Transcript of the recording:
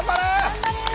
頑張れ！